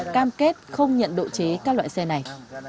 cam kết không nhận độ chế các loại xe này